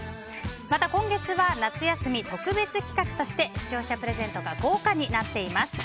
また今月は夏休み特別企画として視聴者プレゼントが豪華になっています。